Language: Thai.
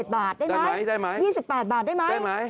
บาทได้ไหม๒๘บาทได้ไหมได้ไหม